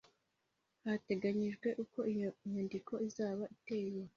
Hateganyijwe uko iyo nyandiko izaba iteye,